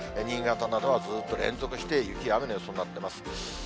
新潟などはずーっと連続して雪や雨の予想になってます。